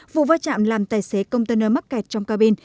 vụ va chạm làm tài xế container mắc kẹt trong cabin